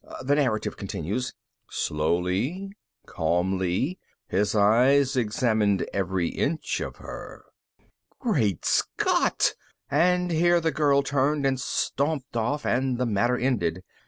The narrative continues: ... slowly, calmly, his eyes examined every inch of her. Great Scott! But here the girl turned and stomped off and the matter ended.